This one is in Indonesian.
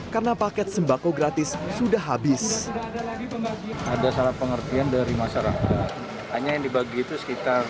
karena paket sembako gratis sudah habis